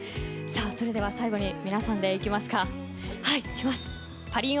それでは最後に皆さんで行きますか。